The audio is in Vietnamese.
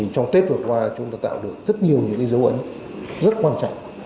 trong tết vừa qua chúng ta tạo được rất nhiều những dấu ấn rất quan trọng